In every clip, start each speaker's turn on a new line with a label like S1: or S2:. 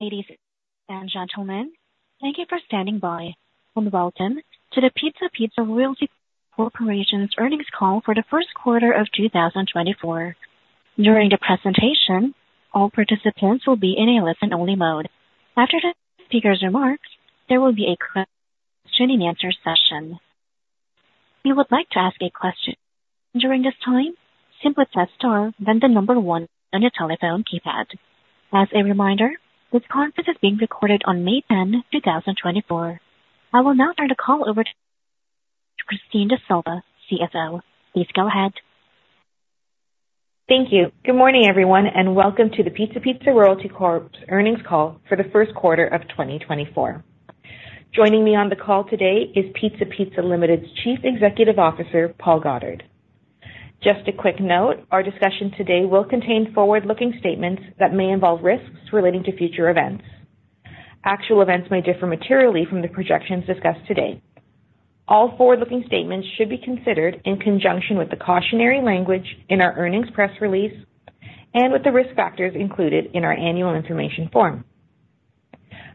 S1: Ladies and gentlemen, thank you for standing by, and welcome to the Pizza Pizza Royalty Corporation's earnings call for the first quarter of 2024. During the presentation, all participants will be in a listen-only mode. After the speaker's remarks, there will be a question and answer session. If you would like to ask a question during this time, simply press star, then the number one on your telephone keypad. As a reminder, this conference is being recorded on May 10, 2024. I will now turn the call over to Christine D'Sylva, CFO. Please go ahead.
S2: Thank you. Good morning, everyone, and welcome to the Pizza Pizza Royalty Corp's earnings call for the first quarter of 2024. Joining me on the call today is Pizza Pizza Limited's Chief Executive Officer, Paul Goddard. Just a quick note, our discussion today will contain forward-looking statements that may involve risks relating to future events. Actual events may differ materially from the projections discussed today. All forward-looking statements should be considered in conjunction with the cautionary language in our earnings press release and with the risk factors included in our annual information form.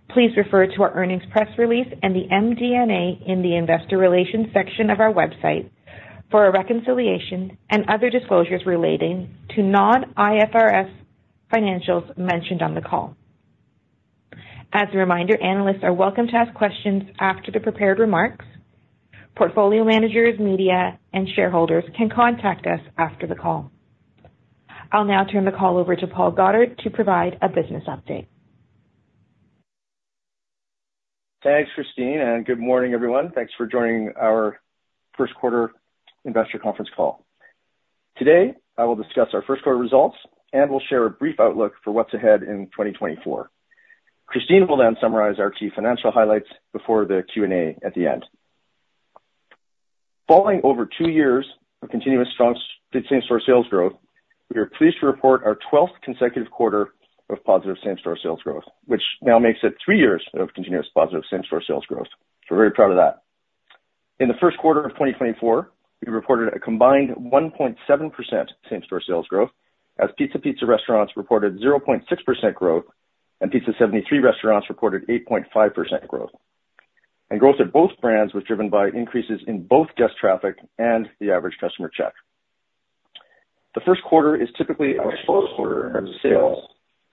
S2: Please refer to our earnings press release and the MD&A in the investor relations section of our website for a reconciliation and other disclosures relating to non-IFRS financials mentioned on the call. As a reminder, analysts are welcome to ask questions after the prepared remarks. Portfolio managers, media, and shareholders can contact us after the call. I'll now turn the call over to Paul Goddard to provide a business update.
S3: Thanks, Christine, and good morning, everyone. Thanks for joining our first quarter investor conference call. Today, I will discuss our first quarter results, and we'll share a brief outlook for what's ahead in 2024. Christine will then summarize our key financial highlights before the Q&A at the end. Following over two years of continuous strong same-store sales growth, we are pleased to report our 12th consecutive quarter of positive same-store sales growth, which now makes it three years of continuous positive same-store sales growth. So we're very proud of that. In the first quarter of 2024, we reported a combined 1.7% same-store sales growth, as Pizza Pizza restaurants reported 0.6% growth, and Pizza 73 restaurants reported 8.5% growth. And growth at both brands was driven by increases in both guest traffic and the average customer check. The first quarter is typically our slowest quarter in sales,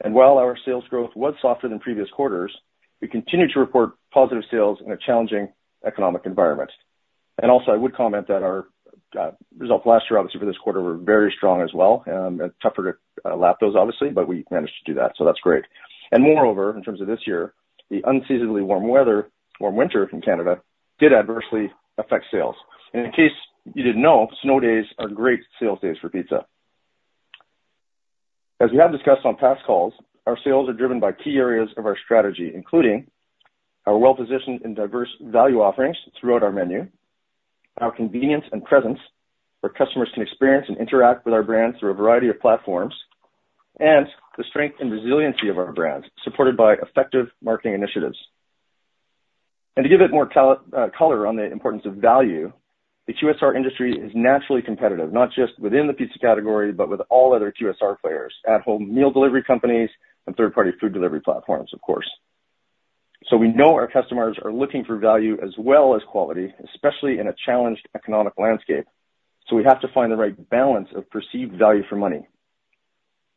S3: and while our sales growth was softer than previous quarters, we continued to report positive sales in a challenging economic environment. And also, I would comment that our results last year, obviously, for this quarter were very strong as well, and tougher to lap those, obviously, but we managed to do that, so that's great. And moreover, in terms of this year, the unseasonably warm weather, warm winter in Canada did adversely affect sales. And in case you didn't know, snow days are great sales days for pizza. As we have discussed on past calls, our sales are driven by key areas of our strategy, including our well-positioned and diverse value offerings throughout our menu, our convenience and presence, where customers can experience and interact with our brands through a variety of platforms, and the strength and resiliency of our brands, supported by effective marketing initiatives. To give it more color on the importance of value, the QSR industry is naturally competitive, not just within the pizza category, but with all other QSR players, at-home meal delivery companies and third-party food delivery platforms, of course. We know our customers are looking for value as well as quality, especially in a challenged economic landscape. We have to find the right balance of perceived value for money.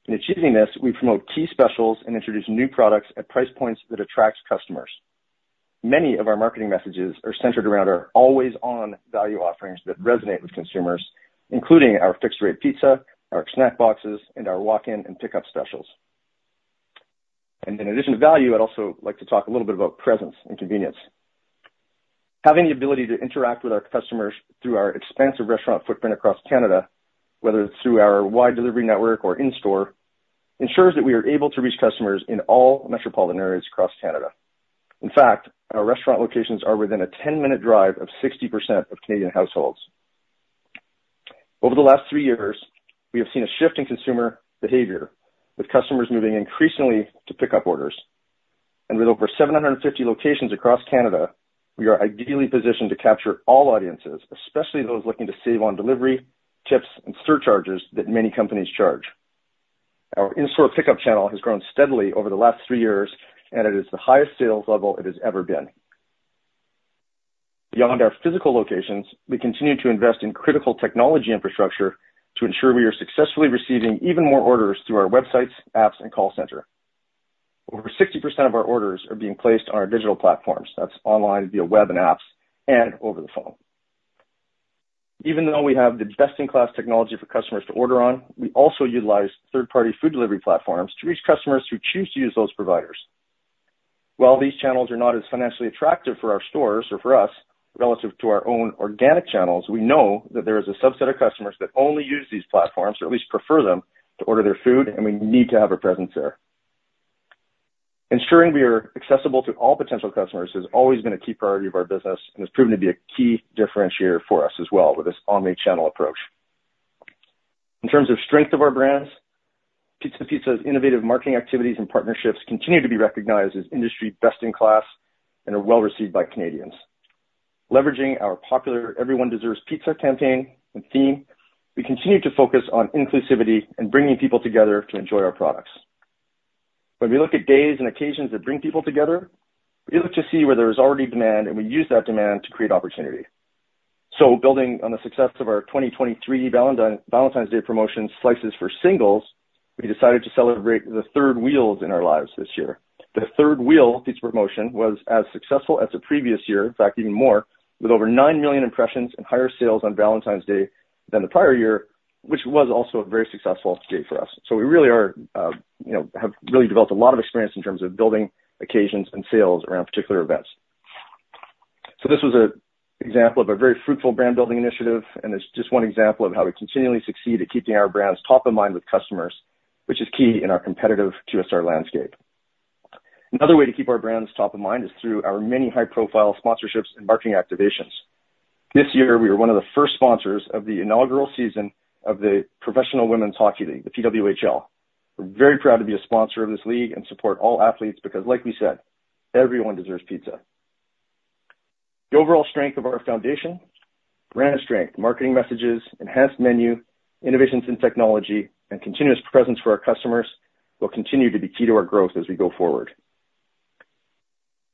S3: In achieving this, we promote key specials and introduce new products at price points that attracts customers. Many of our marketing messages are centered around our always-on value offerings that resonate with consumers, including our Fixed-Rate Pizza, our Snack Boxes, and our walk-in and pickup specials. In addition to value, I'd also like to talk a little bit about presence and convenience. Having the ability to interact with our customers through our expansive restaurant footprint across Canada, whether it's through our wide delivery network or in store, ensures that we are able to reach customers in all metropolitan areas across Canada. In fact, our restaurant locations are within a ten-minute drive of 60% of Canadian households. Over the last three years, we have seen a shift in consumer behavior, with customers moving increasingly to pick up orders. With over 750 locations across Canada, we are ideally positioned to capture all audiences, especially those looking to save on delivery, tips, and surcharges that many companies charge. Our in-store pickup channel has grown steadily over the last three years, and it is the highest sales level it has ever been. Beyond our physical locations, we continue to invest in critical technology infrastructure to ensure we are successfully receiving even more orders through our websites, apps, and call center. Over 60% of our orders are being placed on our digital platforms. That's online, via web and apps, and over the phone. Even though we have the best-in-class technology for customers to order on, we also utilize third-party food delivery platforms to reach customers who choose to use those providers. While these channels are not as financially attractive for our stores or for us relative to our own organic channels, we know that there is a subset of customers that only use these platforms or at least prefer them to order their food, and we need to have a presence there. Ensuring we are accessible to all potential customers has always been a key priority of our business and has proven to be a key differentiator for us as well with this omni-channel approach. In terms of strength of our brands, Pizza Pizza's innovative marketing activities and partnerships continue to be recognized as industry best in class and are well received by Canadians, leveraging our popular Everyone Deserves Pizza campaign and theme, we continue to focus on inclusivity and bringing people together to enjoy our products. When we look at days and occasions that bring people together, we look to see where there is already demand, and we use that demand to create opportunity. So building on the success of our 2023 Valentine's Day promotion, Slices for Singles, we decided to celebrate the third wheels in our lives this year. The Third Wheel pizza promotion was as successful as the previous year, in fact, even more, with over 9 million impressions and higher sales on Valentine's Day than the prior year, which was also a very successful day for us. So we really are, you know, have really developed a lot of experience in terms of building occasions and sales around particular events. So this was an example of a very fruitful brand building initiative, and it's just one example of how we continually succeed at keeping our brands top of mind with customers, which is key in our competitive QSR landscape. Another way to keep our brands top of mind is through our many high-profile sponsorships and marketing activations. This year, we were one of the first sponsors of the inaugural season of the Professional Women's Hockey League, the PWHL. We're very proud to be a sponsor of this league and support all athletes, because, like we said, everyone deserves pizza. The overall strength of our foundation, brand strength, marketing messages, enhanced menu, innovations in technology, and continuous presence for our customers will continue to be key to our growth as we go forward.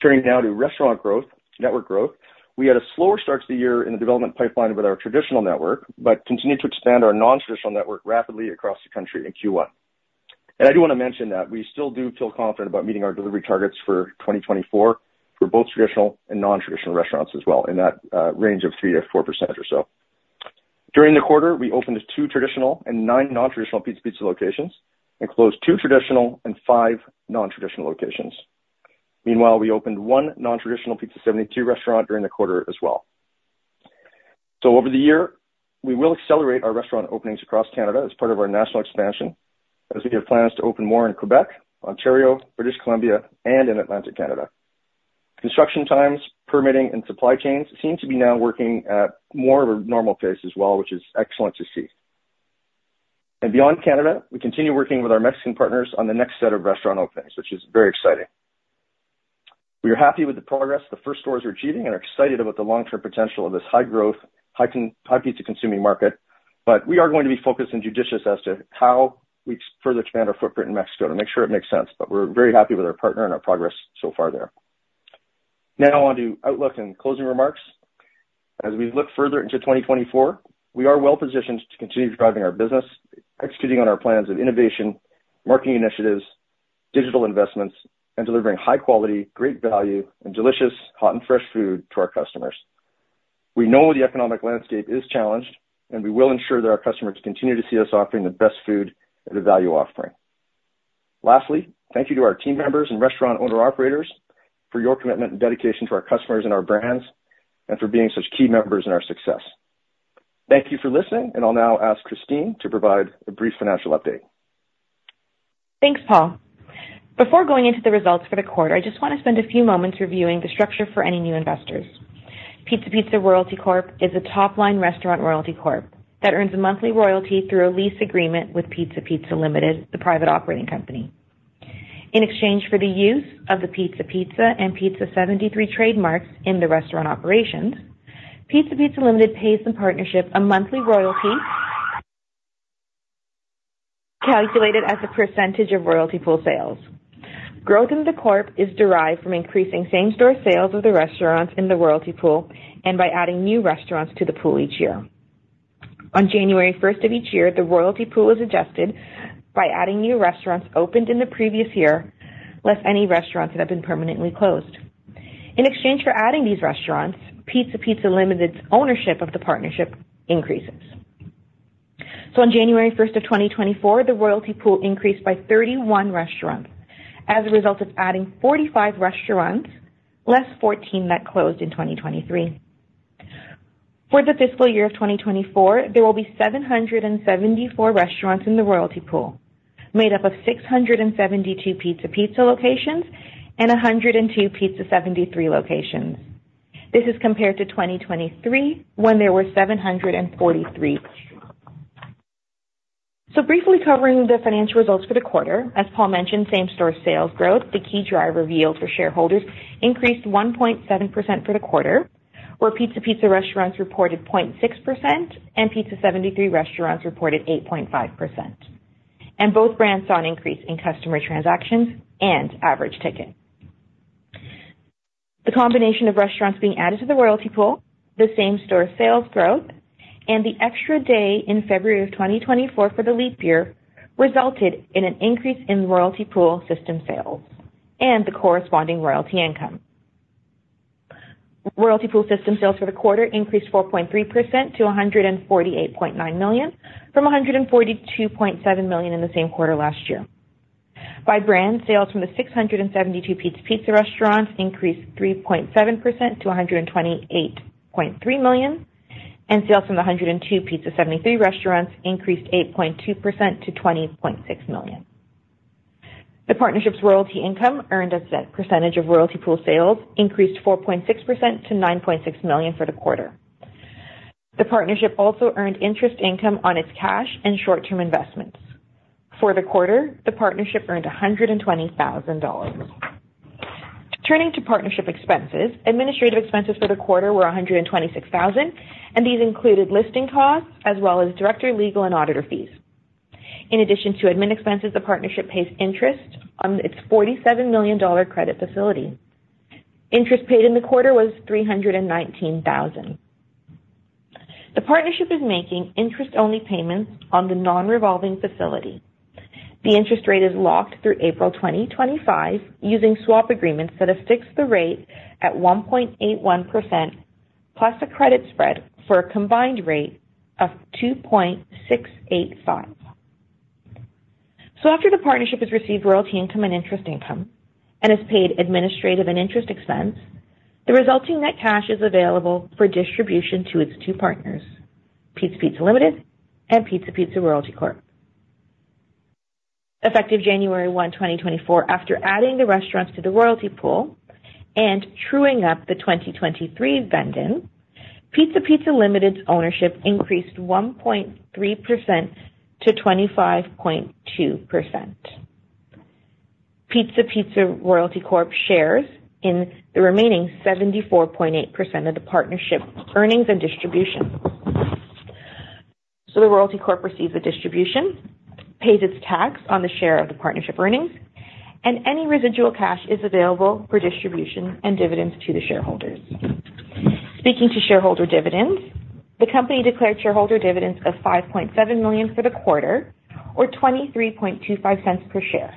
S3: Turning now to restaurant growth, network growth. We had a slower start to the year in the development pipeline with our traditional network, but continued to expand our nontraditional network rapidly across the country in Q1. I do want to mention that we still do feel confident about meeting our delivery targets for 2024 for both traditional and nontraditional restaurants as well, in that range of 3%-4% or so. During the quarter, we opened two traditional and nine nontraditional Pizza Pizza locations and closed two traditional and five nontraditional locations. Meanwhile, we opened one nontraditional Pizza 73 restaurant during the quarter as well. Over the year, we will accelerate our restaurant openings across Canada as part of our national expansion, as we have plans to open more in Quebec, Ontario, British Columbia, and in Atlantic Canada. Construction times, permitting, and supply chains seem to be now working at more of a normal pace as well, which is excellent to see. Beyond Canada, we continue working with our Mexican partners on the next set of restaurant openings, which is very exciting. We are happy with the progress the first stores are achieving and are excited about the long-term potential of this high-growth, high pizza consuming market. We are going to be focused and judicious as to how we further expand our footprint in Mexico to make sure it makes sense. We're very happy with our partner and our progress so far there. Now on to outlook and closing remarks. As we look further into 2024, we are well positioned to continue driving our business, executing on our plans of innovation, marketing initiatives, digital investments, and delivering high quality, great value, and delicious hot and fresh food to our customers. We know the economic landscape is challenged, and we will ensure that our customers continue to see us offering the best food at a value offering. Lastly, thank you to our team members and restaurant owner-operators for your commitment and dedication to our customers and our brands, and for being such key members in our success. Thank you for listening, and I'll now ask Christine to provide a brief financial update.
S2: Thanks, Paul. Before going into the results for the quarter, I just want to spend a few moments reviewing the structure for any new investors. Pizza Pizza Royalty Corp. is a top-line restaurant royalty corp, that earns a monthly royalty through a lease agreement with Pizza Pizza Limited, the private operating company. In exchange for the use of the Pizza Pizza and Pizza 73 trademarks in the restaurant operations, Pizza Pizza Limited pays the partnership a monthly royalty, calculated as a percentage of royalty pool sales. Growth in the corp is derived from increasing same-store sales of the restaurants in the royalty pool and by adding new restaurants to the pool each year. On January 1st of each year, the royalty pool is adjusted by adding new restaurants opened in the previous year, less any restaurants that have been permanently closed. In exchange for adding these restaurants, Pizza Pizza Limited's ownership of the partnership increases. So on January 1, 2024, the royalty pool increased by 31 restaurants as a result of adding 45 restaurants, less 14 that closed in 2023. For the fiscal year of 2024, there will be 774 restaurants in the royalty pool, made up of 672 Pizza Pizza locations and 102 Pizza 73 locations. This is compared to 2023, when there were 743. So briefly covering the financial results for the quarter. As Paul mentioned, same-store sales growth, the key driver yield for shareholders, increased 1.7% for the quarter, where Pizza Pizza restaurants reported 0.6% and Pizza 73 restaurants reported 8.5%, and both brands saw an increase in customer transactions and average ticket. The combination of restaurants being added to the royalty pool, the same-store sales growth, and the extra day in February of 2024 for the leap year resulted in an increase in royalty pool system sales and the corresponding royalty income. Royalty pool system sales for the quarter increased 4.3% to 148.9 million, from 142.7 million in the same quarter last year. By brand, sales from the 672 Pizza Pizza restaurants increased 3.7% to 128.3 million, and sales from the 102 Pizza 73 restaurants increased 8.2% to 20.6 million. The partnership's royalty income, earned as a percentage of royalty pool sales, increased 4.6% to 9.6 million for the quarter. The partnership also earned interest income on its cash and short-term investments. For the quarter, the partnership earned 120,000 dollars. Turning to partnership expenses, administrative expenses for the quarter were 126,000 and these included listing costs as well as director, legal and auditor fees. In addition to admin expenses, the partnership pays interest on its 47 million dollar credit facility. Interest paid in the quarter was 319,000. The partnership is making interest-only payments on the non-revolving facility. The interest rate is locked through April 2025, using swap agreements that have fixed the rate at 1.81%, plus a credit spread for a combined rate of 2.685%. So after the partnership has received royalty income and interest income and has paid administrative and interest expense, the resulting net cash is available for distribution to its two partners, Pizza Pizza Limited and Pizza Pizza Royalty Corp. Effective January 1, 2024, after adding the restaurants to the royalty pool and truing up the 2023 vend-in, Pizza Pizza Limited's ownership increased 1.3% to 25.2%. Pizza Pizza Royalty Corp shares in the remaining 74.8% of the partnership earnings and distribution. So the Royalty Corp receives a distribution, pays its tax on the share of the partnership earnings, and any residual cash is available for distribution and dividends to the shareholders. Speaking to shareholder dividends, the company declared shareholder dividends of 5.7 million for the quarter or 0.2325 per share.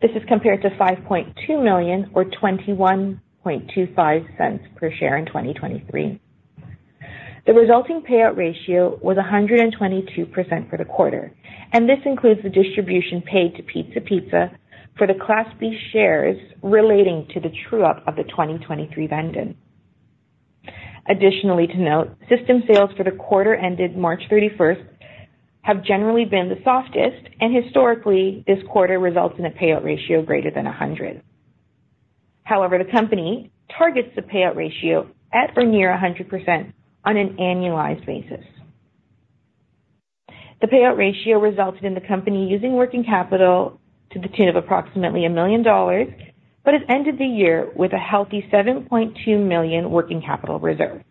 S2: This is compared to 5.2 million, or 0.2125 per share in 2023. The resulting Payout Ratio was 122% for the quarter, and this includes the distribution paid to Pizza Pizza for the Class B Shares relating to the true up of the 2023 vend-in. Additionally, to note, System Sales for the quarter ended March 31st have generally been the softest, and historically, this quarter results in a Payout Ratio greater than 100. However, the company targets the Payout Ratio at or near 100% on an annualized basis. The Payout Ratio resulted in the company using Working Capital to the tune of approximately 1 million dollars, but it ended the year with a healthy 7.2 million Working Capital reserve.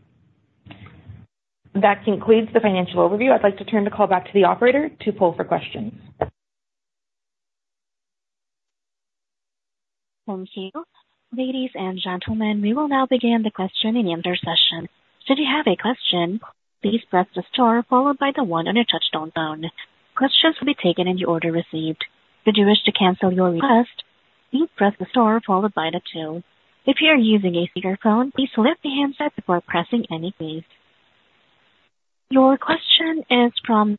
S2: That concludes the financial overview. I'd like to turn the call back to the operator to pull for questions.
S1: Thank you. Ladies and gentlemen, we will now begin the question and answer session. Should you have a question, please press the star followed by the one on your touchtone phone. Questions will be taken in the order received. If you wish to cancel your request, please press the star followed by the two. If you are using a speakerphone, please lift the handset before pressing any keys. Your question is from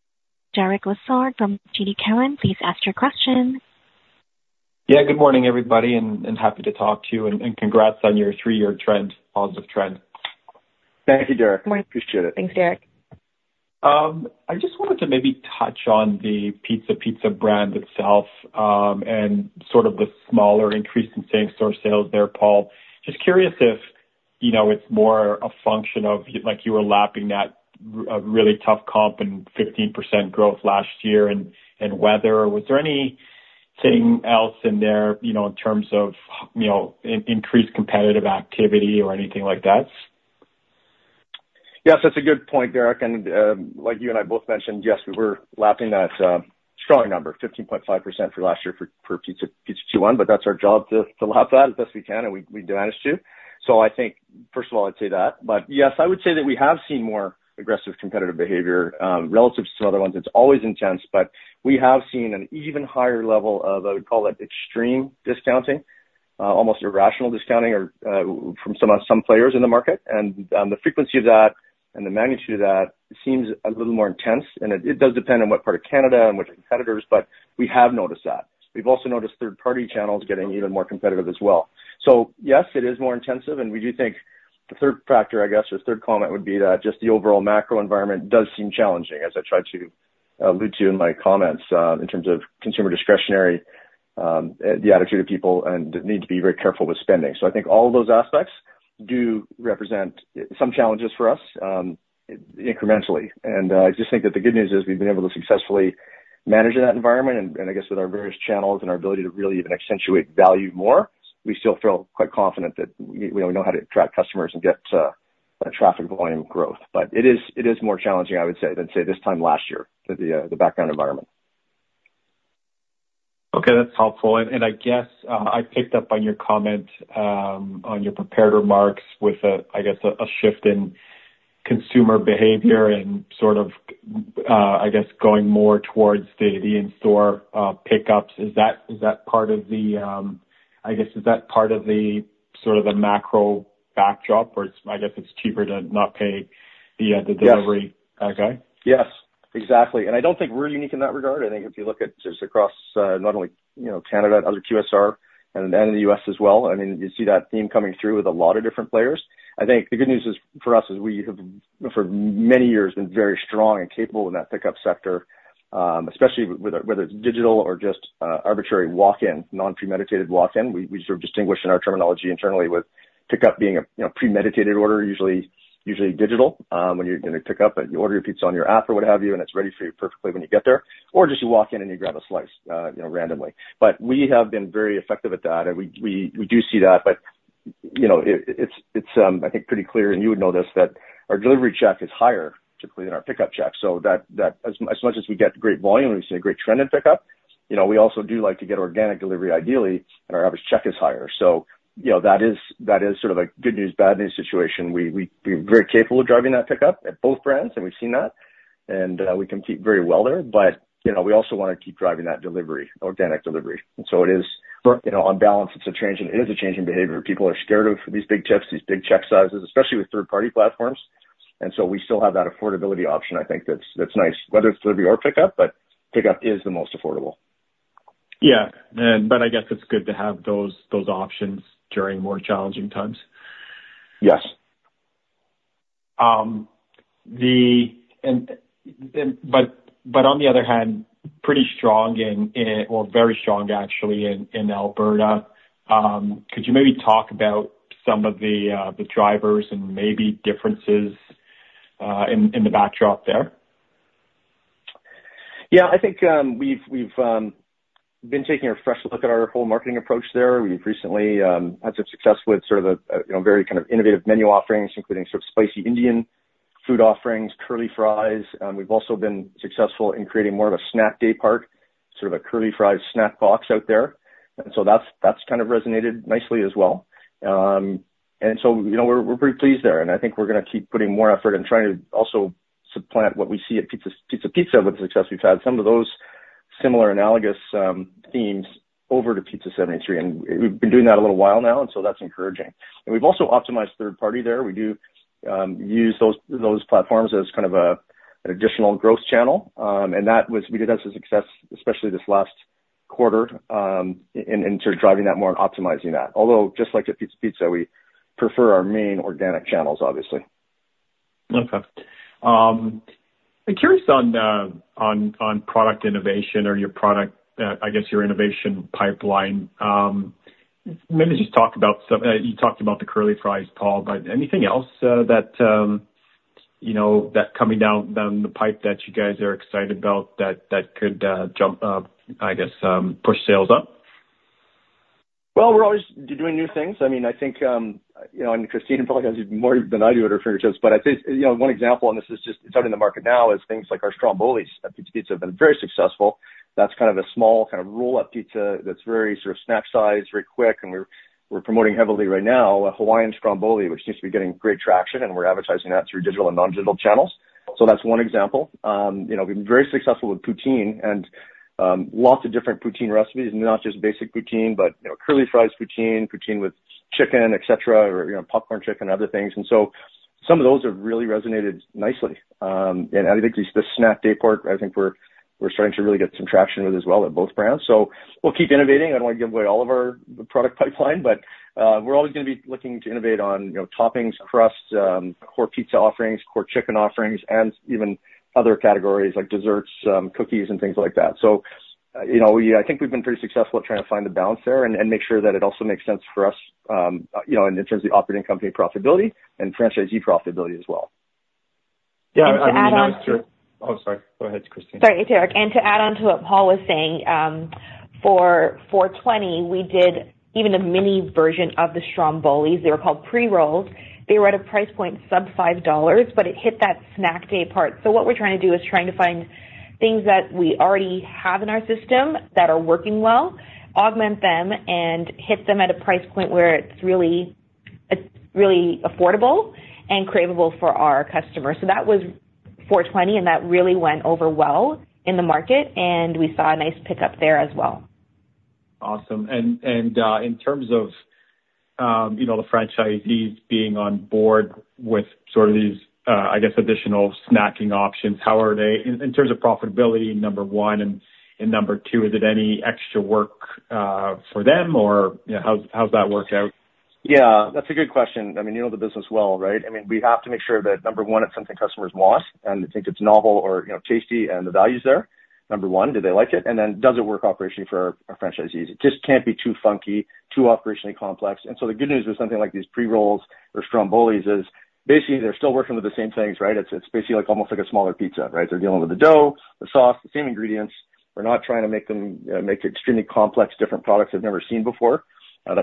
S1: Derek Lessard, from TD Cowen. Please ask your question.
S4: Yeah, good morning, everybody, and happy to talk to you, and congrats on your three-year trend, positive trend.
S3: Thank you, Derek.
S2: Good morning.
S3: Appreciate it.
S2: Thanks, Derek.
S4: I just wanted to maybe touch on the Pizza Pizza brand itself, and sort of the smaller increase in same-store sales there, Paul. Just curious if, you know, it's more a function of, like, you were lapping that, a really tough comp and 15% growth last year and, and weather, or was there anything else in there, you know, in terms of, you know, increased competitive activity or anything like that?
S3: Yes, that's a good point, Derek, and, like you and I both mentioned, yes, we were lapping that strong number, 15.5% for last year for Pizza Pizza 2021, but that's our job to lap that as best we can, and we managed to. So I think first of all, I'd say that, but yes, I would say that we have seen more aggressive competitive behavior relative to some other ones. It's always intense, but we have seen an even higher level of, I would call it, extreme discounting, almost irrational discounting or from some players in the market. And the frequency of that and the magnitude of that seems a little more intense, and it does depend on what part of Canada and which competitors, but we have noticed that. We've also noticed third-party channels getting even more competitive as well. So yes, it is more intensive, and we do think the third factor, I guess, or third comment would be that just the overall macro environment does seem challenging, as I tried to allude to in my comments, in terms of consumer discretionary, the attitude of people and the need to be very careful with spending. So I think all those aspects do represent some challenges for us, incrementally. And I just think that the good news is we've been able to successfully manage in that environment. And I guess with our various channels and our ability to really even accentuate value more, we still feel quite confident that we know how to attract customers and get a traffic volume growth. But it is more challenging, I would say, than, say, this time last year with the background environment.
S4: Okay, that's helpful. And I guess I picked up on your comment on your prepared remarks with a I guess a shift in consumer behavior and sort of I guess going more towards the in-store pickups. Is that part of the, I guess is that part of the sort of the macro backdrop where it's I guess it's cheaper to not pay the the delivery? Okay.
S3: Yes, exactly, and I don't think we're unique in that regard. I think if you look at just across, not only, you know, Canada and other QSR and, and the U.S. as well, I mean, you see that theme coming through with a lot of different players. I think the good news is, for us is we have for many years been very strong and capable in that pickup sector, especially with, whether it's digital or just, arbitrary walk-in, non-premeditated walk-in, we sort of distinguish in our terminology internally with pickup being a, you know, premeditated order, usually digital, when you're gonna pick up, but you order your pizza on your app or what have you, and it's ready for you perfectly when you get there, or just you walk in and you grab a slice, you know, randomly. But we have been very effective at that, and we do see that, but, you know, it's pretty clear, and you would know this, that our delivery check is higher typically than our pickup check. So, as much as we get great volume, and we see a great trend in pickup, you know, we also do like to get organic delivery ideally, and our average check is higher. So, you know, that is sort of a good news, bad news situation. We're very capable of driving that pickup at both brands, and we've seen that, and we compete very well there. But, you know, we also wanna keep driving that delivery, organic delivery. And so it is, you know, on balance, it's a change in it is a change in behavior. People are scared of these big checks, these big check sizes, especially with third party platforms, and so we still have that affordability option, I think, that's, that's nice, whether it's delivery or pickup, but pickup is the most affordable.
S4: Yeah. I guess it's good to have those, those options during more challenging times.
S3: Yes.
S4: On the other hand, pretty strong or very strong actually in Alberta. Could you maybe talk about some of the drivers and maybe differences in the backdrop there?
S3: Yeah, I think, we've been taking a fresh look at our whole marketing approach there. We've recently had some success with sort of a you know very kind of innovative menu offerings, including sort of spicy Indian food offerings, curly fries. We've also been successful in creating more of a snack daypart, sort of a curly fries snack box out there. And so that's kind of resonated nicely as well. And so, you know, we're pretty pleased there, and I think we're gonna keep putting more effort and trying to also supplant what we see at Pizza Pizza with the success we've had. Some of those similar analogous themes over to Pizza 73, and we've been doing that a little while now, and so that's encouraging. And we've also optimized third party there. We do use those platforms as kind of an additional growth channel, and that was... We did have some success, especially this last quarter, in sort of driving that more and optimizing that. Although, just like at Pizza Pizza, we prefer our main organic channels, obviously.
S4: Okay. I'm curious on product innovation or your product, I guess, your innovation pipeline. Maybe just talk about you talked about the Curly Fries, Paul, but anything else, that you know, that coming down the pipe that you guys are excited about, that could, I guess, push sales up?
S3: Well, we're always doing new things. I mean, I think, you know, and Christine probably has more than I do at her fingertips, but I think, you know, one example, and this is just it's out in the market now, is things like our Strombolis at Pizza Pizza have been very successful. That's kind of a small, kind of, roll up pizza that's very sort of snack sized, very quick, and we're promoting heavily right now, a Hawaiian Stromboli, which seems to be getting great traction, and we're advertising that through digital and non-digital channels. So that's one example. You know, we've been very successful with poutine and, lots of different poutine recipes, not just basic poutine, but, you know, Curly Fries poutine, poutine with chicken, et cetera, or, you know, popcorn chicken, other things. And so some of those have really resonated nicely. And I think the snack day part, I think we're starting to really get some traction with as well at both brands. So we'll keep innovating. I don't want to give away all of our product pipeline, but we're always gonna be looking to innovate on, you know, toppings, crust, core pizza offerings, core chicken offerings, and even other categories like desserts, cookies, and things like that. So, you know, we—I think we've been pretty successful at trying to find the balance there and make sure that it also makes sense for us, you know, in terms of the operating company profitability and franchisee profitability as well.
S4: Yeah, I mean-
S2: And to add on-
S4: Oh, sorry. Go ahead, Christine.
S2: Sorry, Eric. And to add on to what Paul was saying, for 4/20, we did even a mini version of the Strombolis. They were called Pre-Rolls. They were at a price point sub 5 dollars, but it hit that snack day part. So what we're trying to do is trying to find things that we already have in our system that are working well, augment them, and hit them at a price point where it's really, it's really affordable and craveable for our customers. So that was 4/20, and that really went over well in the market, and we saw a nice pickup there as well.
S4: Awesome. And in terms of, you know, the franchisees being on board with sort of these, I guess, additional snacking options, how are they in terms of profitability, number one, and number two, is it any extra work for them, or, you know, how's that work out?
S3: Yeah, that's a good question. I mean, you know the business well, right? I mean, we have to make sure that, number one, it's something customers want and think it's novel or, you know, tasty, and the value's there. Number one, do they like it? And then, does it work operationally for our franchisees? It just can't be too funky, too operationally complex. And so the good news with something like these pre-rolls or strombolis is basically, they're still working with the same things, right? It's, it's basically like almost like a smaller pizza, right? They're dealing with the dough, the sauce, the same ingredients. We're not trying to make them make extremely complex, different products they've never seen before,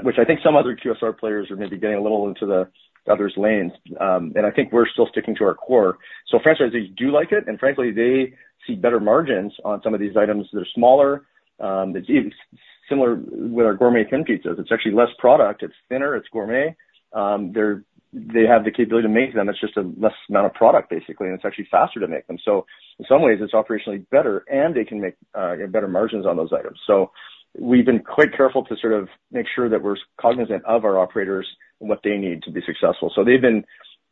S3: which I think some other QSR players are maybe getting a little into the others' lanes. And I think we're still sticking to our core. So franchisees do like it, and frankly, they see better margins on some of these items that are smaller. It's similar with our gourmet thin pizzas. It's actually less product, it's thinner, it's gourmet. They're, they have the capability to make them. It's just a less amount of product, basically, and it's actually faster to make them. So in some ways, it's operationally better, and they can make better margins on those items. So we've been quite careful to sort of make sure that we're cognizant of our operators and what they need to be successful. So they've been,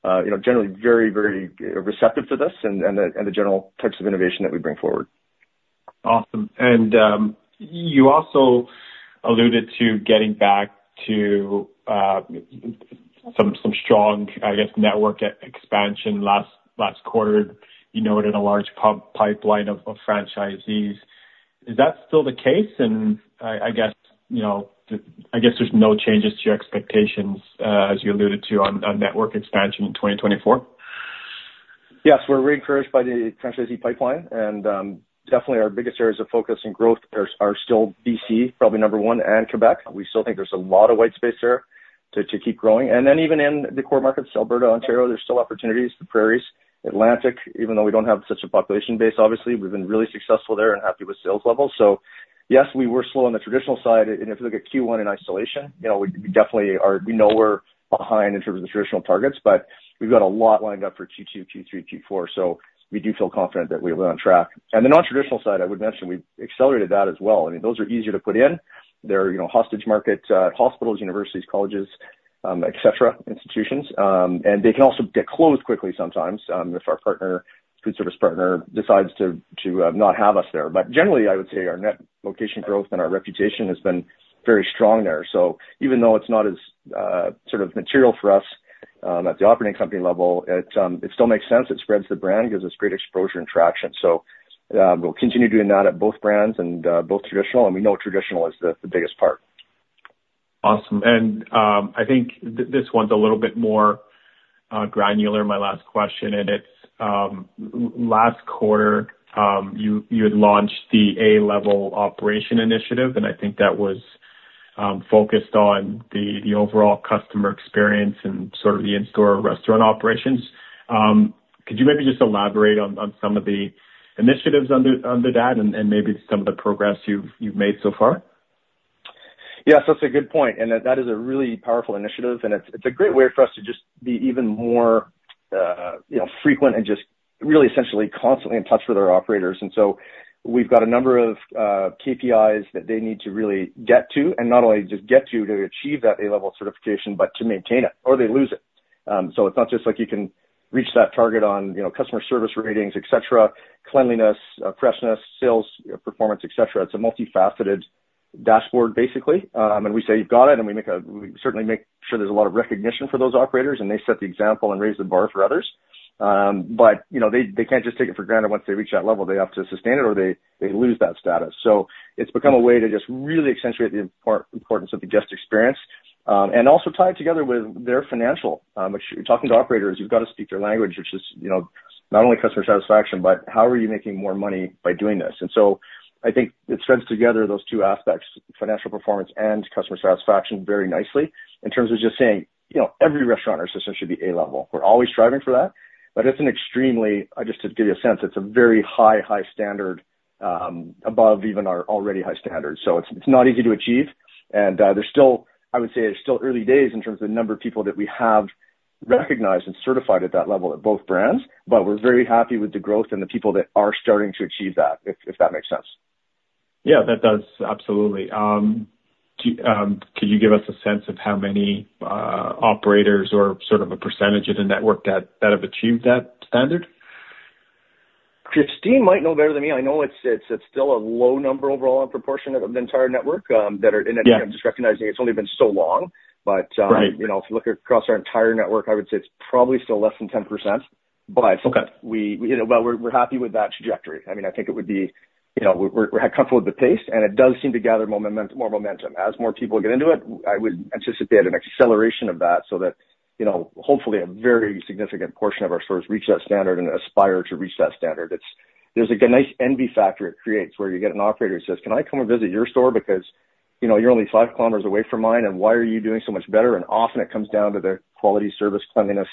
S3: you know, generally very, very receptive to this and the general types of innovation that we bring forward.
S4: Awesome. You also alluded to getting back to some strong, I guess, network expansion last quarter. You noted a large robust pipeline of franchisees. Is that still the case? And I guess, you know, I guess there's no changes to your expectations, as you alluded to, on network expansion in 2024?
S3: Yes, we're reencouraged by the franchisee pipeline, and definitely our biggest areas of focus and growth are, are still BC, probably number one, and Quebec. We still think there's a lot of white space there to, to keep growing. And then even in the core markets, Alberta, Ontario, there's still opportunities, the Prairies, Atlantic, even though we don't have such a population base, obviously, we've been really successful there and happy with sales levels. So yes, we were slow on the traditional side, and if you look at Q1 in isolation, you know, we, we definitely are, we know we're behind in terms of the traditional targets, but we've got a lot lined up for Q2, Q3, Q4. So we do feel confident that we're on track. On the nontraditional side, I would mention, we've accelerated that as well. I mean, those are easier to put in. They're, you know, hostage markets, hospitals, universities, colleges, et cetera, institutions. And they can also get closed quickly sometimes, if our partner, food service partner decides to, to, not have us there. But generally, I would say our net location growth and our reputation has been very strong there. So even though it's not as, sort of material for us, at the operating company level, it still makes sense. It spreads the brand, gives us great exposure and traction. So, we'll continue doing that at both brands and, both traditional, and we know traditional is the biggest part.
S4: Awesome. And, I think this one's a little bit more granular, my last question, and it's last quarter, you had launched the A-level operation initiative, and I think that was focused on the overall customer experience and sort of the in-store restaurant operations. Could you maybe just elaborate on some of the initiatives under that and maybe some of the progress you've made so far?
S3: Yes, that's a good point, and that is a really powerful initiative, and it's a great way for us to just be even more, you know, frequent and just really essentially constantly in touch with our operators. And so we've got a number of KPIs that they need to really get to, and not only just get to, to achieve that A-level certification, but to maintain it or they lose it. So it's not just like you can reach that target on, you know, customer service ratings, et cetera, cleanliness, freshness, sales, performance, et cetera. It's a multifaceted dashboard, basically. And we say, you've got it, and we certainly make sure there's a lot of recognition for those operators, and they set the example and raise the bar for others. But, you know, they, they can't just take it for granted once they reach that level, they have to sustain it or they, they lose that status. So it's become a way to just really accentuate the importance of the guest experience, and also tie it together with their financial issue. Talking to operators, you've got to speak their language, which is, you know, not only customer satisfaction, but how are you making more money by doing this? And so I think it threads together those two aspects, financial performance and customer satisfaction, very nicely in terms of just saying, you know, every restaurant in our system should be A-level. We're always striving for that, but it's an extremely, just to give you a sense, it's a very high, high standard, above even our already high standards, so it's, it's not easy to achieve. There's still—I would say it's still early days in terms of the number of people that we have recognized and certified at that level at both brands, but we're very happy with the growth and the people that are starting to achieve that, if that makes sense.
S4: Yeah, that does, absolutely. Could you give us a sense of how many operators or sort of a percentage of the network that have achieved that standard?
S3: Christine might know better than me. I know it's still a low number overall on proportion of the entire network that are again, I'm just recognizing it's only been so long. But, you know, if you look across our entire network, I would say it's probably still less than 10%, but-
S4: Okay.
S3: You know, but we're happy with that trajectory. I mean, I think it would be, you know, we're comfortable with the pace, and it does seem to gather more momentum. As more people get into it, I would anticipate an acceleration of that, so that, you know, hopefully a very significant portion of our stores reach that standard and aspire to reach that standard. There's a nice envy factor it creates, where you get an operator who says, "Can I come and visit your store? Because, you know, you're only five kilometers away from mine, and why are you doing so much better?" And often it comes down to their quality, service, cleanliness,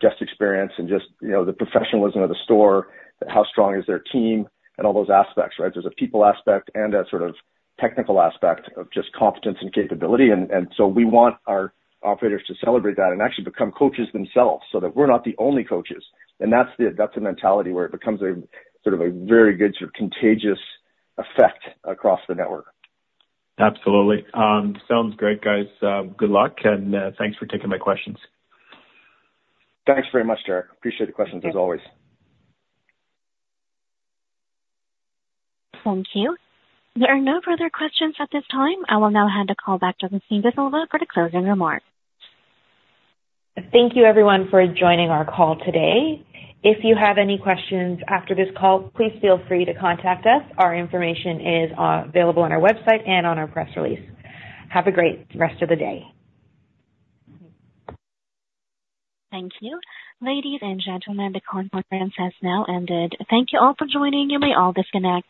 S3: guest experience, and just, you know, the professionalism of the store, how strong is their team, and all those aspects, right? There's a people aspect and a sort of technical aspect of just competence and capability. And so we want our operators to celebrate that and actually become coaches themselves, so that we're not the only coaches. And that's the mentality where it becomes a sort of a very good sort of contagious effect across the network.
S4: Absolutely. Sounds great, guys. Good luck, and thanks for taking my questions.
S3: Thanks very much, Derek. Appreciate the questions, as always.
S1: Thank you. There are no further questions at this time. I will now hand the call back to Christine D'Sylva for the closing remarks.
S2: Thank you, everyone, for joining our call today. If you have any questions after this call, please feel free to contact us. Our information is available on our website and on our press release. Have a great rest of the day.
S1: Thank you. Ladies and gentlemen, the conference has now ended. Thank you all for joining, you may all disconnect.